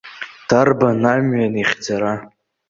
Дарбан амҩан ихьӡара?